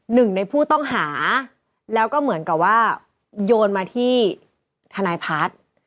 หนึ่งในผู้ต้องหาแล้วก็เหมือนกับว่าโยนมาที่ทนายพัฒน์